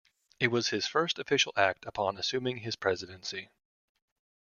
It was his first official act upon assuming his presidency.